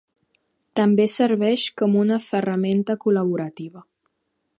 També serveix com una ferramenta col·laborativa.